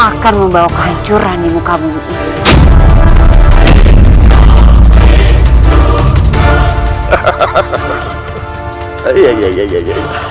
akan membawa kehancuran di muka bumi